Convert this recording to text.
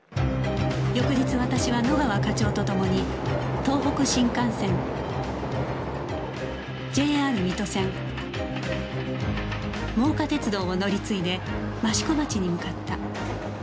翌日私は野川課長とともに東北新幹線 ＪＲ 水戸線真岡鐵道を乗り継いで益子町に向かった